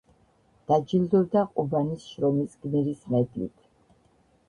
დაჯილდოვდა ყუბანის შრომის გმირის მედლით.